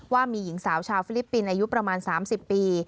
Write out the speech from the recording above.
ว่ามีหญิงสาวชาวฟิลิปปินส์อายุประมาณ๓๐ปี